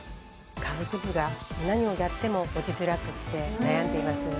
下腹部が何をやっても落ちづらくって悩んでいます